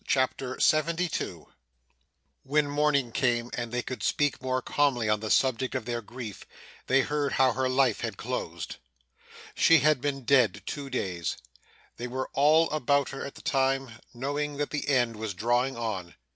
CHAPTER 72 When morning came, and they could speak more calmly on the subject of their grief, they heard how her life had closed. She had been dead two days. They were all about her at the time, knowing that the end was drawing on.